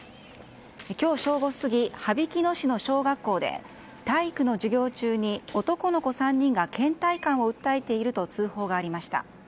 今日正午過ぎ羽曳野市の小学校で体育の授業中に男の子が３人が倦怠感を訴えていると通報がありました。